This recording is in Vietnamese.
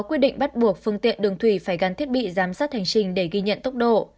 quyết định bắt buộc phương tiện đường thủy phải gắn thiết bị giám sát hành trình để ghi nhận tốc độ